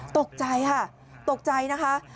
ตกใจค่ะตกใจนะคะ